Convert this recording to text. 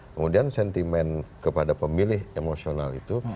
kemudian sentimen kepada pemilih emosional itu